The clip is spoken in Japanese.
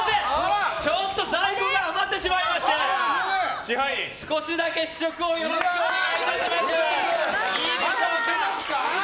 ちょっと最後余ってしまいまして少しだけ試食をよろしくお願いします！